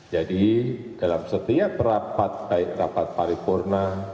jadi dalam setiap rapat baik rapat paripurna